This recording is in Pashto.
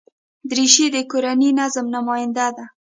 دریشي د کورني نظم نماینده ده.